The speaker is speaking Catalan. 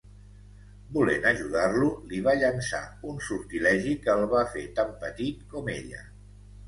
Volent ajudar-lo, li va llançar un sortilegi que el va fer tan petit com ella.